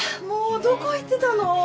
もうどこ行ってたの？